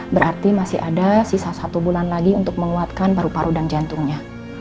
berarti masih ada sisa satu bulan lagi untuk menguatkan paru paru dan jantungnya